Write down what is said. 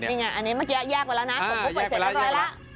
นี่ไงอันนี้เมื่อกี้แยกไปแล้วนะผมก็เปิดเสร็จกันหน่อยแล้ว